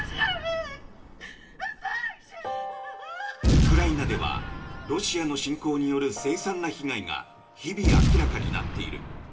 ウクライナではロシアの侵攻によるせい惨な被害が日々明らかになっている。